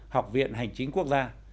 học viện hành chính quốc gia